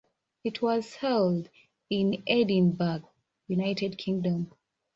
It was held in Edinburgh, United Kingdom.